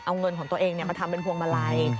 เอาเงินของตัวเองมาทำเป็นพวงมาลัย